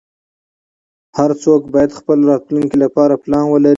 هر څوک باید خپل راتلونکې لپاره پلان ولری